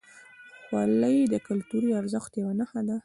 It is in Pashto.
خولۍ د کلتوري ارزښت یوه نښه ده.